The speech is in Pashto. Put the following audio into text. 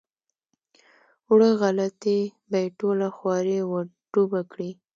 وړه غلطي به یې ټوله خواري ور ډوبه کړي.